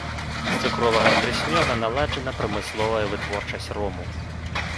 З цукровага трыснёга наладжана прамысловая вытворчасць рому.